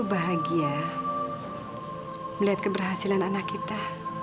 bahagia melihat keberhasilan anak kita